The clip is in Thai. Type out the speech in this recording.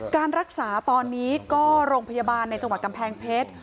การรักษาตอนนี้ก็โรงพยาบาลในจังหวัดกำแพงเพชร